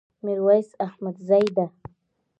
ميرويس احمدزي ده